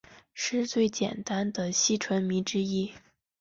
是最简单的烯醇醚之一。